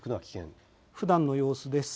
ふだんの様子です。